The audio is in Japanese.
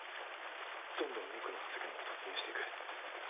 どんどんミクロの世界に突入していく。